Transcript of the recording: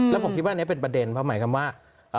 แล้วผมคิดว่าอันนี้เป็นประเด็นเพราะหมายความว่า